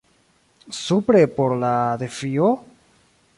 Supre por la defio?